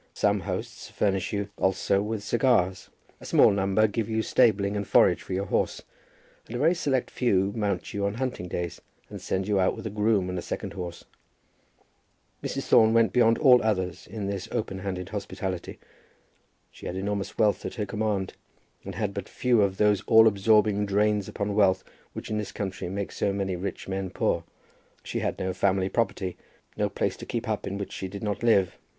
Some hosts furnish you also with cigars. A small number give you stabling and forage for your horse; and a very select few mount you on hunting days, and send you out with a groom and a second horse. Mrs. Thorne went beyond all others in this open handed hospitality. She had enormous wealth at her command, and had but few of those all absorbing drains upon wealth which in this country make so many rich men poor. She had no family property, no place to keep up in which she did not live.